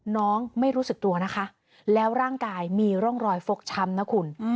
ไม่รู้สึกตัวนะคะแล้วร่างกายมีร่องรอยฟกช้ำนะคุณ